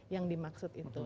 yang dimaksud itu